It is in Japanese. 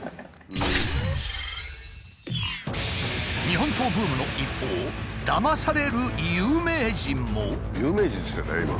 日本刀ブームの一方だまされる有名人も。